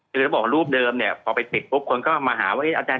ถือบอกรูปเดิมเนี้ยพอไปติดปุ๊บคุณเขามาง่าไว้อาจารย์